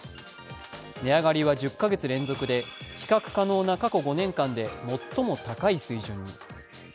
値上がりは１０カ月連続で比較可能な過去５年間で最も高い水準に。